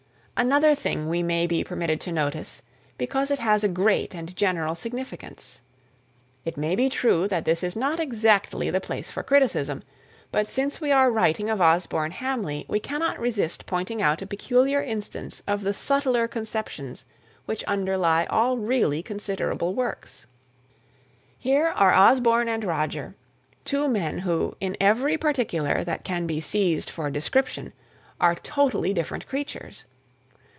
Another thing we may be permitted to notice, because it has a great and general significance. It may be true that this is not exactly the place for criticism, but since we are writing of Osborne Hamley, we cannot resist pointing out a peculiar instance of the subtler conceptions which underlie all really considerable works. Here are Osborne and Roger, two men who, in every particular that can be seized for description, are totally different creatures.